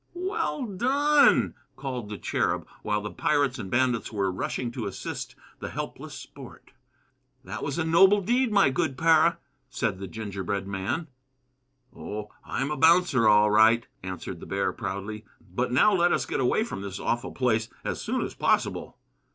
"Well done!" called the Cherub, while the pirates and bandits were rushing to assist the helpless Sport. "That was a noble deed, my good Para!" said the gingerbread man. "Oh, I'm a bouncer, all right!" answered the bear, proudly. "But now let us get away from this awful place as soon as possible."